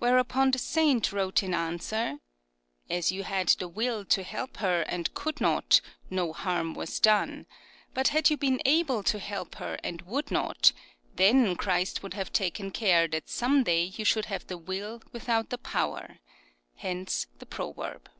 Whereupon the Saint wrote in answer: "As .you had the will to help her and could not, no harm was done ; but had you been able to help her and would not, then Christ would have taken care that some day you should have the will without the power ;" hence the proverb.